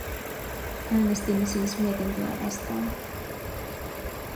Äänestin siis mietintöä vastaan.